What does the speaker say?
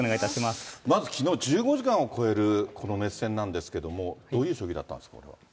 まずきのう１５時間を超える、この熱戦なんですけれども、どういう将棋だったんですか。